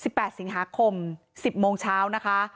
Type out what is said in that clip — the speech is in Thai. ๑๘เสียงศาและ๑๐โมงเช้านะครับ